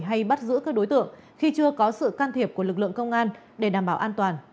hay bắt giữ các đối tượng khi chưa có sự can thiệp của lực lượng công an để đảm bảo an toàn